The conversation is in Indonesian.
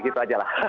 gitu aja lah